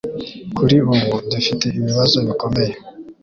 Kuri ubu, dufite ibibazo bikomeye